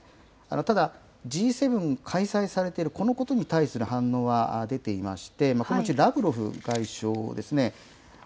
ただＧ７開催されている、このことに対する反応は出ていまして、このうちラブロフ外相ですね。